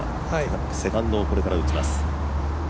セカンドをこれから打ちます。